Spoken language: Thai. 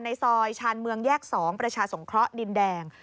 ในซอยชาญเมืองแยก๒ประชาสงเคราะห์ดินแดง